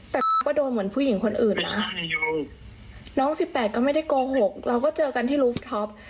แต่ก็โดนเหมือนผู้หญิงคนอื่นนะน้องสิบแปดก็ไม่ได้โกหกเราก็เจอกันที่ลูฟท็อป